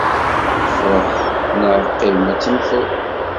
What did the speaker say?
Freḥ neɣ qqim, ad temmteḍ.